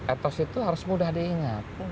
etos itu harus mudah diingat